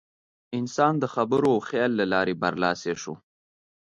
انسان د خبرو او خیال له لارې برلاسی شو.